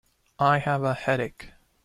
I have a headache.